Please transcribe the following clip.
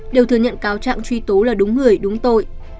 đều thừa nhận cáo trạng truy tố là đúng người đúng tội